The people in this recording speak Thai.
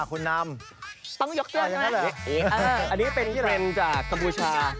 อันนี้เป็นเฟรนด์จากทะพูชา